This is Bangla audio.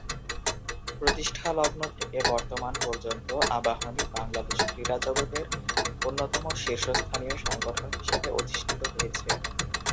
প্রতিষ্ঠালগ্ন থেকে বর্তমান পর্যন্ত আবাহনী বাংলাদেশের ক্রীড়া জগতে অন্যতম শীর্ষস্থানীয় সংগঠন হিসেবে অধিষ্ঠিত হয়েছে।